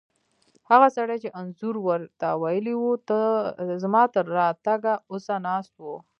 هغه سړی چې انځور ور ته ویلي وو، زما تر راتګه اوسه ناست و.